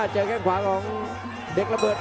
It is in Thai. แข้งขวาของเด็กระเบิด